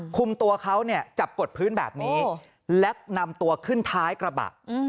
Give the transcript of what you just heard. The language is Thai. คุมตัวเขาเนี่ยจับกดพื้นแบบนี้และนำตัวขึ้นท้ายกระบะ